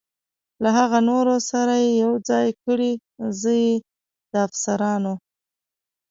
له هغه نورو سره یې یو ځای کړئ، زه یې د افسرانو.